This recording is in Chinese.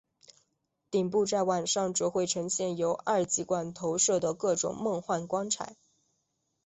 顶部在晚上则会呈现由二极管投射的各种梦幻光彩。